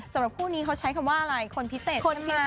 สำหรับคู่นี้เขาใช้คำว่าอะไรคนพิเศษคนพิการ